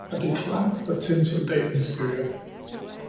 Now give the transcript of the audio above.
og det klang for tinsoldatens øre.